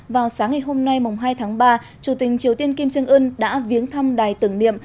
vào sáng ngày hôm nay hai tháng ba chủ tình triều tiên kim trương ưn đã viếng thăm đài tưởng niệm